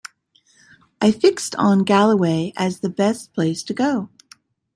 I fixed on Galloway as the best place to go.